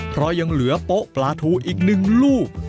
เพราะยังเหลือโป๊ะปลาทูอีก๑ลูก